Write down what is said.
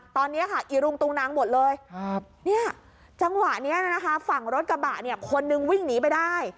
ตอนนี้ค่ะอีรุงตุงนังหมดเลยจังหวะนี้นะคะฝั่งรถกระบะเนี่ยคนนึงวิ่งหนีไปได้